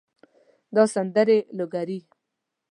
دا سندرې لوګري